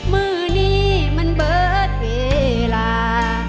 มือนี้มันเบิดเวลา